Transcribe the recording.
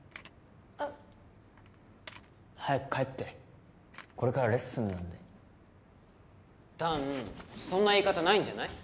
あっ早く帰ってこれからレッスンなんで弾そんな言い方ないんじゃない？